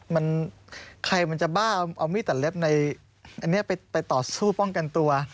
มันใครมันจะบ้าเอามีดตัดเล็บในอันนี้ไปต่อสู้ป้องกันตัว